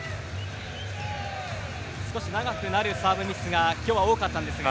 少し長くなるサーブミスが今日は多かったんですが。